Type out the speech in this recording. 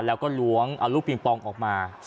แล้วก็ล้วงเอาลูกปิงปองออกมา